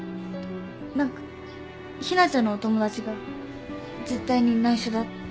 何かひなちゃんのお友達が絶対にないしょだって。